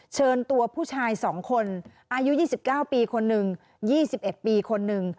เชิญตัวผู้ชาย๒คนอายุ๒๙ปีคนหนึ่ง๒๑ปีคนหนึ่ง